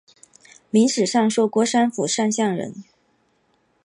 明史上说郭山甫善相人。